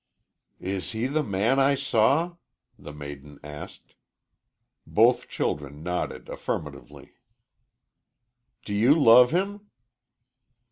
"Is he the man I saw?" the maiden asked. Both children nodded affirmatively. "Do you love him?"